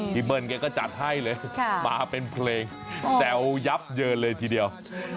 เบิ้ลแกก็จัดให้เลยมาเป็นเพลงแจ๋วยับเยินเลยทีเดียว